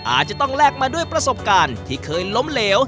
อาจจะต้องแลกมาด้วยประสบการณ์ที่เคยล้มเหลว